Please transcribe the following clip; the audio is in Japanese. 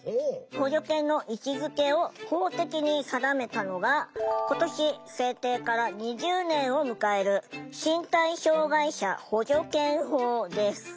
補助犬の位置づけを法的に定めたのが今年制定から２０年を迎える「身体障害者補助犬法」です。